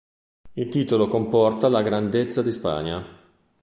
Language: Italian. Il titolo comporta la Grandezza di Spagna.